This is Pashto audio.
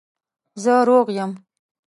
زه روغ یم